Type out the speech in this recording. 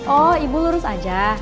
oh ibu lurus aja